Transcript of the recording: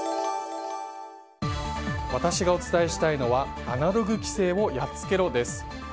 私がお伝えしたいのはアナログ規制をやっつけろです。